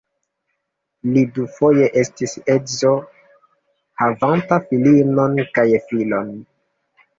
Li dufoje estis edzo havanta filinon kaj filon.